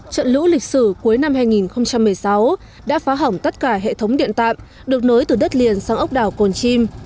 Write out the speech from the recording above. trận lũ lịch sử cuối năm hai nghìn một mươi sáu đã phá hỏng tất cả hệ thống điện tạm được nối từ đất liền sang ốc đảo cồn chim